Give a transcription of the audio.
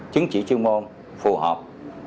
chứng chỉ chuyên môn phù hợp